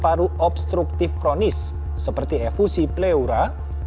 terdapat juga kondisi paru obstruktif kronis seperti efusi pleura